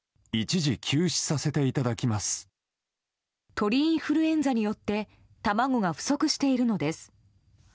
鳥インフルエンザによって卵が不足しているのです。